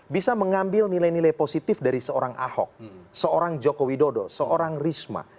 bisa mengambil nilai nilai positif dari seorang ahok seorang joko widodo seorang risma